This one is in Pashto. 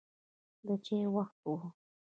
د چای وخت و.